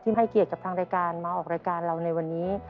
ให้เกียรติกับทางรายการมาออกรายการเราในวันนี้